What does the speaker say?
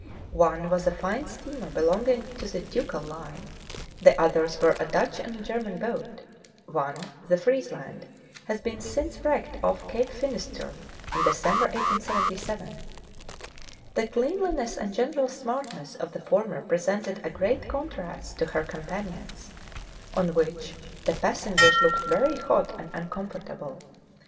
One was a fine steamer belonging to the Ducal Line; the others were a Dutch and a German boat (one, the Friesland, has been since wrecked off Cape Finisterre, in December 1877). The cleanliness and general smartness of the former presented a great contrast to her companions, on which the passengers looked very hot and uncomfortable.